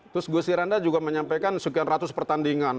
terus gusti randa juga menyampaikan sekian ratus pertandingan